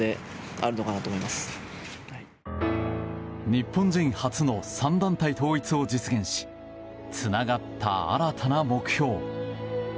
日本人初の３団体統一を実現しつながった新たな目標。